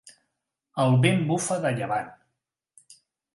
El vent bufa de llevant.